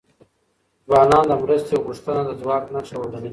ځوانان د مرستې غوښتنه د ځواک نښه وګڼي.